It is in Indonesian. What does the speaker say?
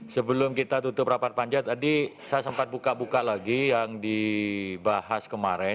sebelum kita tutup rapat panjat tadi saya sempat buka buka lagi yang dibahas kemarin